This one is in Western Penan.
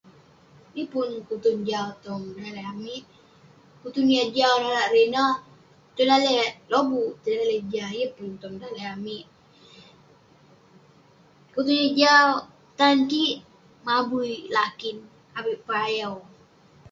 Yeng pun kutun jau tong daleh amik. Kutun yah jau narak ireh ineh, tong daleh lobuk, tong daleh jah, yeng pun tong daleh amik. Kutun yah jau tan kik, mabui lakin avik payau.